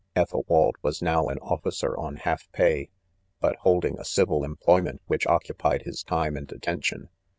Ethelwald was now an offi cer on v half pay, but holding* a civil employ ment which occupied his time and attention.